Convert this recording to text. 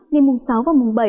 ngày mùng sáu và mùng bảy